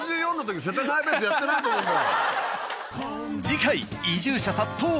次回移住者殺到！